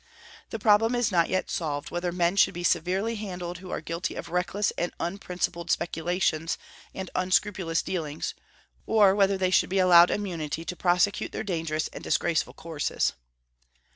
The problem is not yet solved, whether men should be severely handled who are guilty of reckless and unprincipled speculations and unscrupulous dealings, or whether they should be allowed immunity to prosecute their dangerous and disgraceful courses.